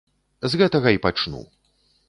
З гэтага і пачну.